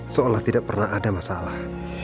seolah tidak pernah ada masalah